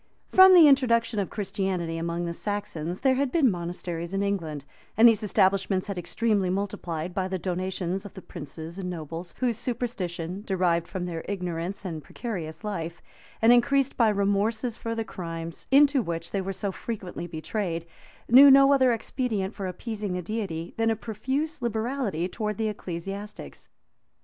From the introduction of Christianity among the Saxons, there had been monasteries in England; and these establishments had extremely multiplied by the donations of the princes and nobles, whose superstition, derived from their ignorance and precarious life, and increased by remorses for the crimes into which they were so frequently betrayed, knew no other expedient for appeasing the Deity, than a profuse liberality towards the ecclesiastics.